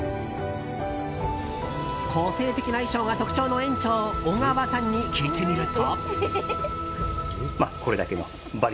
個性的な衣装が特徴の園長小川さんに聞いてみると。